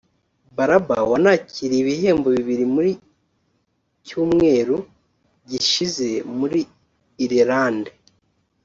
Balaba wanakiriye ibihembo bibiri muri cyumweru gishize muri Ireland